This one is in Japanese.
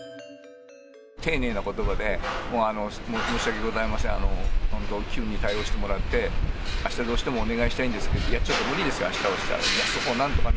丁寧なことばで、申し訳ございません、本当、急に対応してもらって、あしたどうしてもお願いしたいんですけど、いや、ちょっと無理です、あしたはって。